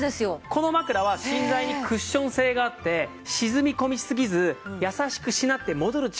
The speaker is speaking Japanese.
この枕は芯材にクッション性があって沈み込みすぎず優しくしなって戻る力